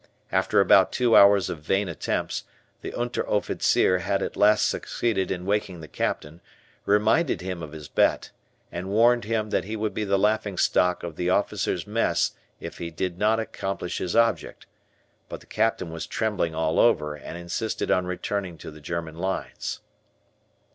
After about two hours of vain attempts the Unteroffizier had at last succeeded in waking the Captain, reminded him of his bet, and warned him that he would be the laughingstock of the officers' mess if he did not accomplish his object, but the Captain was trembling all over and insisted on returning to the German lines.